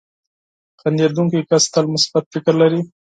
• خندېدونکی کس تل مثبت فکر لري.